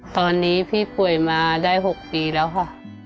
ตอนนี้พี่ป่วยมาได้๖ปีแล้วค่ะ